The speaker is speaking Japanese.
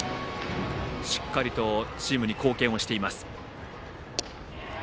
しっかりとチームに貢献をしています。